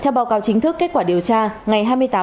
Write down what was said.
theo báo cáo chính thức kết quả điều tra